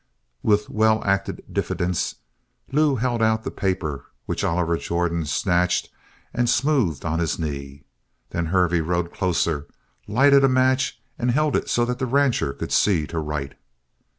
With well acted diffidence, Lew held out the paper, which Oliver Jordan snatched and smoothed on his knee. Then Hervey rode closer, lighted a match, and held it so that the rancher could see to write.